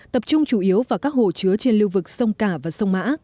tập trung chủ yếu vào các hồ chứa trên lưu vực sông cả và sông mã